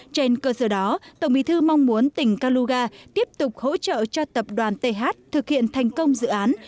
trên cơ sở đó tổng bí thư mong muốn tỉnh kaluga tiếp tục hỗ trợ cho tập đoàn th thực hiện thành công dự án